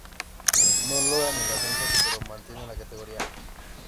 No logran el ascenso, pero mantienen la categoría.